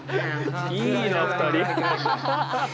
いいな２人。